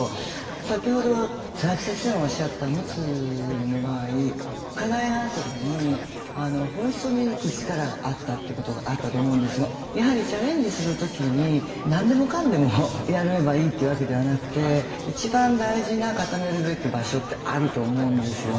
先ほど佐々木先生もおっしゃった陸奥の場合課題があった時に本質を見抜く力があったってことがあったと思うんですがやはりチャレンジする時に何でもかんでもやればいいっていうわけではなくて一番大事な固めるべき場所ってあると思うんですよね。